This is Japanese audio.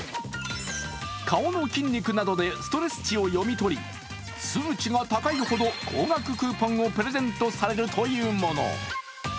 顔の筋肉などでストレス値を読み取り、数値が高いほど高額クーポンをプレゼントされるというもの。